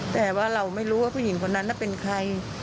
แต่ว่าเราไม่รู้ว่าผู้หญิงคนนั้นเป็นใคร